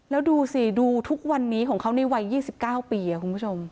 แล้วดูสิดูทุกวันนี้ของเขาในวัย๒๙ปีคุณผู้ชม